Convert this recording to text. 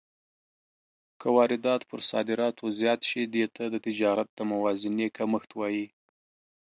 که واردات پر صادراتو زیات شي، دې ته د تجارت د موازنې کمښت وايي.